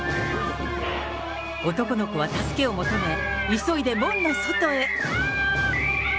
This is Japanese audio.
男の子は助けを求め、急いで門の外へ。